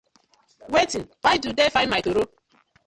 Wetin? Why do dey find my toro?